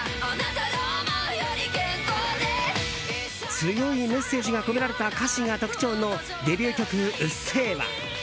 強いメッセージが込められた歌詞が特徴のデビュー曲「うっせぇわ」。